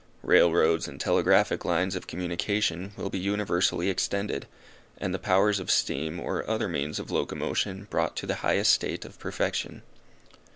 Railroads and telegraphic lines of communication, will be universally extended, and the powers of steam, or other means of locomotion brought to the highest state of perfection.